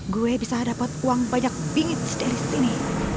gue bisa dapat uang banyak pingit dari sini